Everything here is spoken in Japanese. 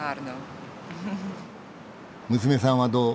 娘さんはどう？